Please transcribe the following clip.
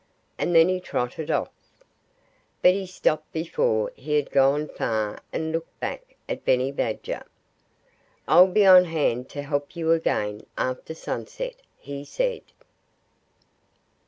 And then he trotted off. But he stopped before he had gone far and looked back at Benny Badger. "I'll be on hand to help you again after sunset," he said.